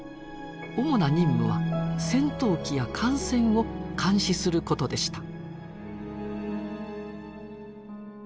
主な任務は戦闘機や艦船を監視することでした。